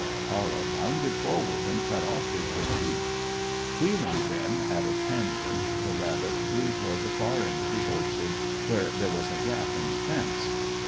Tara bounded forward and cut off his retreat. Wheeling then at a tangent, the rabbit flew toward the far end of the orchard, where there was a gap in the fence.